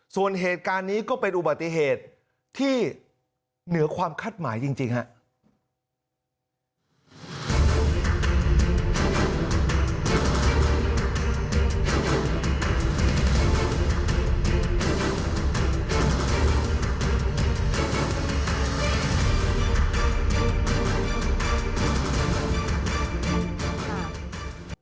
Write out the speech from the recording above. ส่วนเหตุการณ์นี้ก็เป็นอุบัติเหตุที่เหนือความคาดหมายจริงครับ